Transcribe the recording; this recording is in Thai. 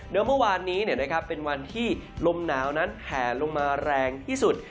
เดิมเมื่อวานนี้เนี่ยนะครับเป็นวันที่ลมหนาวนั้นแผลลงมาแรงที่สุด